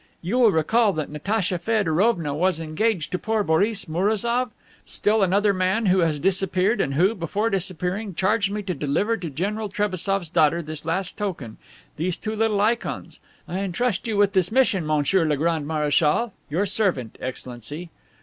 You will recall that Natacha Feodorovna was engaged to poor Boris Mourazoff, still another young man who has disappeared and who, before disappearing, charged me to deliver to General Trebassof's daughter this last token these two little ikons. I entrust you with this mission, Monsieur le Grand Marechal. Your servant, Excellency."